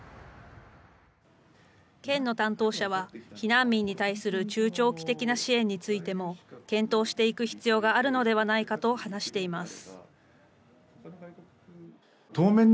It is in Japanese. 県の担当者は、避難民に対する中長期的な支援についても、検討していく必要があるのではないかと話しています。